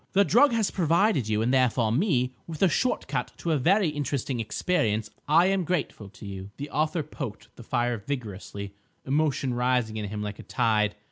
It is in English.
The drug has provided you, and therefore me, with a shortcut to a very interesting experience. I am grateful to you." The author poked the fire vigorously, emotion rising in him like a tide.